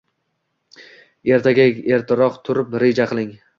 Ertaga ertaroq turib reja qiling!